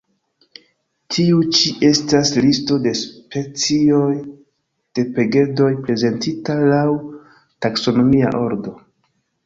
Tiu ĉi estas listo de specioj de pegedoj, prezentita laŭ taksonomia ordo.